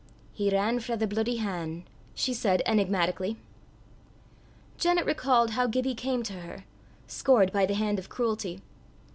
"He ran frae the bluidy han'," she said enigmatically. Janet recalled how Gibbie came to her, scored by the hand of cruelty.